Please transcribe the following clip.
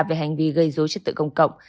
về hành vi gây dối chất tự công cộng